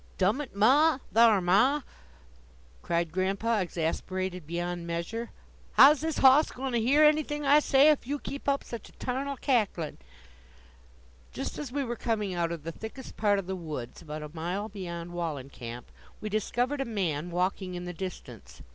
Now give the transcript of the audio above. "Dum it, ma! thar', ma!" cried Grandpa, exasperated beyond measure. "How is this hoss goin' to hear anything that I say ef you keep up such a tarnal cacklin'?" Just as we were coming out of the thickest part of the woods, about a mile beyond Wallencamp, we discovered a man walking in the distance.